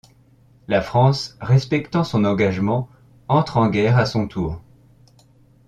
La France respectant son engagement entre en guerre à son tour.